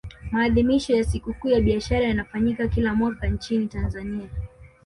maadhimisho ya sikukuu ya biashara yanafanyika kila mwaka nchini tanzania